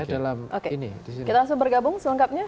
kita langsung bergabung selengkapnya